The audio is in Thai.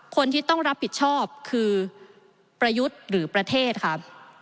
คนที่ต้องรับผิดชอบคือประยุทธ์หรือประเทศครับ